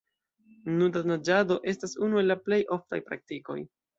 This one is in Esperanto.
Nuda naĝado estas unu el la plej oftaj praktikoj.